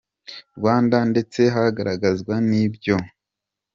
Rwanda ndetse hagaragazwa n’ibyo.